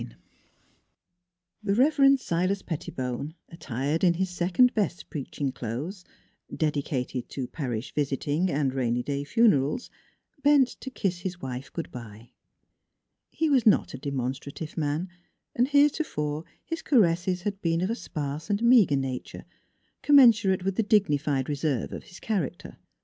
IX THE Reverend Silas Pettibone, attired in his second best preaching clothes dedicated to parish visiting and rainy day funerals bent to kiss his wife good by. He was not a de monstrative man, and heretofore his caresses had been of a sparse and meager nature, commen surate with the dignified reserve of his character.